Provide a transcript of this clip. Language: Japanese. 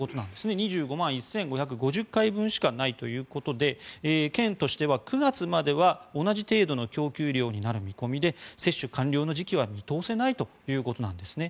２５万１５５０回分しかないということで県としては９月までは同じ程度の供給量になる見込みで接種完了の時期は見通せないということなんですね。